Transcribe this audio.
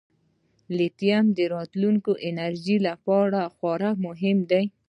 لیتیم د راتلونکي انرژۍ لپاره خورا مهم دی.